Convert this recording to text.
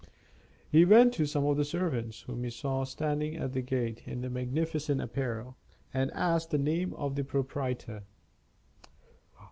He went to some of the servants, whom he saw standing at the gate in magnificent apparel, and asked the name of the proprietor.